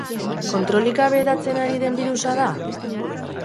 Kontrolik gabe hedatzen ari den birusa da?